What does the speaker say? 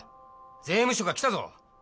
税務署が来たぞ。